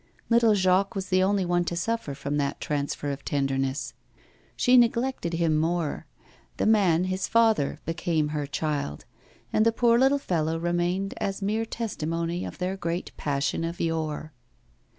Little Jacques was the only one to suffer from that transfer of tenderness. She neglected him more; the man, his father, became her child, and the poor little fellow remained as mere testimony of their great passion of yore.